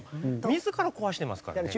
自ら壊してますからね。